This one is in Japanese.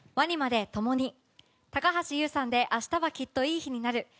ＷＡＮＩＭＡで「ともに」高橋優さんで「明日はきっといい日になる」。